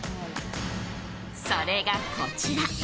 それがこちら！